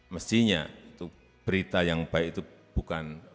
mestinya itu berita yang baik itu bukan